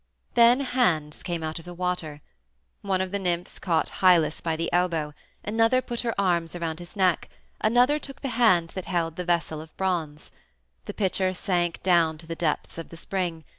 Then hands came out of the water. One of the nymphs caught Hylas by the elbow; another put her arms around his neck, another took the hand that held the vessel of bronze. The pitcher sank down to the depths of the spring.